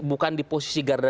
bukan di posisi garda pemerintah